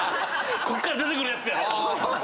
こっから出てくるやつやろ？